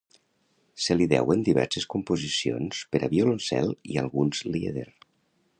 Se li deuen diverses composicions per a violoncel i alguns lieder.